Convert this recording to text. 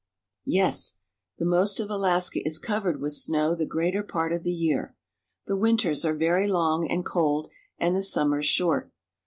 Yes; the most of Alaska is covered with snow the greater part of the year. The winters are very long and cold, and the summers short.